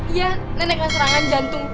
iya nenek kena serangan jantung